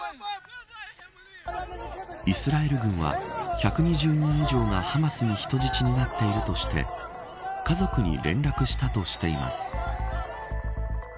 イスラエル軍は１２０人以上がハマスに人質になっているとして家族に連絡したとしています。